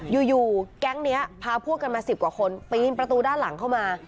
อยู่แก๊งนี้พาพวกกันมา๑๐กว่าคนปีนประตูด้านหลังเข้ามา